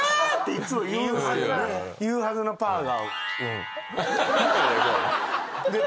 言うはずのパーが。